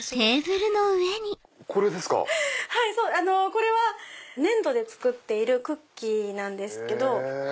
これは粘土で作っているクッキーなんですけど。